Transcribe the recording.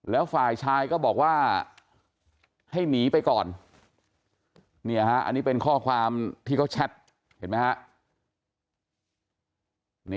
แล้วฝ่ายชายก็บอกว่าให้หนีไปก่อนอันนี้เป็นข้อความที่เขาแชทเห็นไหมฮะ